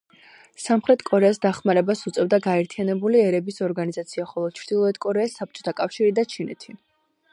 სამხრეთ კორეას დახმარებას უწევდა გაერთიანებული ერების ორგანიზაცია, ხოლო ჩრდილოეთ კორეას საბჭოთა კავშირი და ჩინეთი.